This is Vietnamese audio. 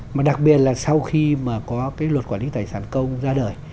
mà đặc biệt là sau khi mà có cái luật quản lý tài sản công ra đời